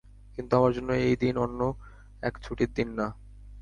কিন্তু আমার জন্য এই দিন অন্য এক ছুটির দিন না।